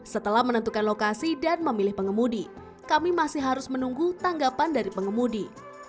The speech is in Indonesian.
setelah menentukan lokasi dan memilih pengemudi kami masih harus menunggu tanggapan dari pengemudi